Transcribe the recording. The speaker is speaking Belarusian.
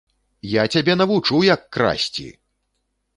Я цябе навучу, як красці!